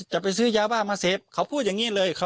จะไปซื้อยาบ้ามาเสพเขาพูดอย่างนี้เลย